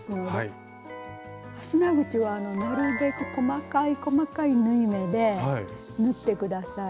ファスナー口はなるべく細かい細かい縫い目で縫って下さい。